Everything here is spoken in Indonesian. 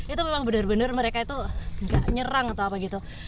itu memang benar benar mereka itu nggak nyerang atau apa gitu